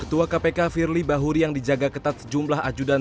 ketua kpk firly bahuri yang dijaga ketat sejumlah ajudan